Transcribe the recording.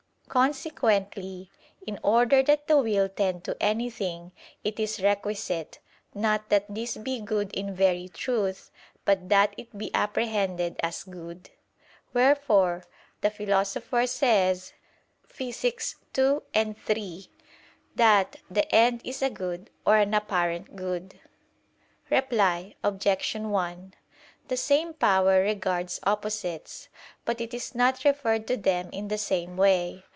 Consequently, in order that the will tend to anything, it is requisite, not that this be good in very truth, but that it be apprehended as good. Wherefore the Philosopher says (Phys. ii, 3) that "the end is a good, or an apparent good." Reply Obj. 1: The same power regards opposites, but it is not referred to them in the same way.